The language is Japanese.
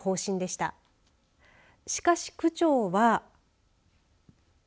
しかし区長は。